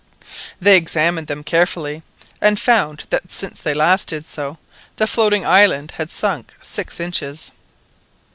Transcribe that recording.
They examined them carefully, and found that since they last did so, the floating island had sunk six inches.